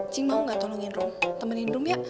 cing mau gak tolongin rum temenin rum ya